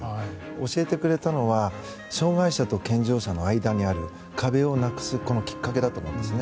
教えてくれたのは障害者と健常者の間にある壁をなくすきっかけだと思うんです。